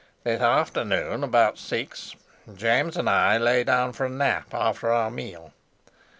"This afternoon, about six, James and I lay down for a nap after our meal.